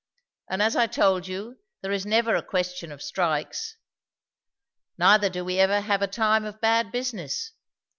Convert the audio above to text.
And as I told you, there is never a question of strikes. Neither do we ever have a time of bad business.